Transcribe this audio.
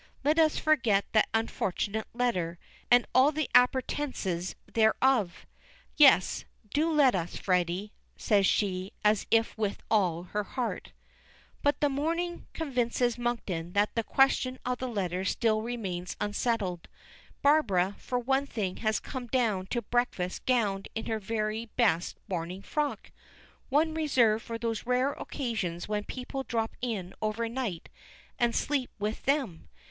Let us forget that unfortunate letter, and all the appurtenances thereof." "Yes: do let us, Freddy," says she, as if with all her heart. But the morning convinces Monkton that the question of the letter still remains unsettled. Barbara, for one thing, has come down to breakfast gowned in her very best morning frock, one reserved for those rare occasions when people drop in over night and sleep with them.